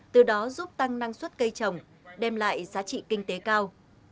từ đó giúp tăng năng suất cây trồng đem lại giá trị kinh tế cao